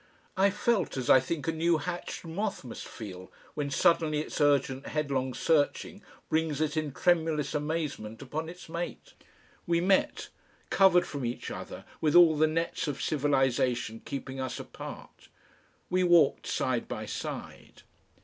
I felt as I think a new hatched moth must feel when suddenly its urgent headlong searching brings it in tremulous amazement upon its mate. We met, covered from each other, with all the nets of civilisation keeping us apart. We walked side by side.